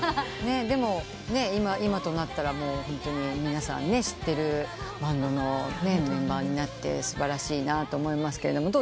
でも今となったらホントに皆さん知ってるバンドのメンバーになって素晴らしいなと思いますけど。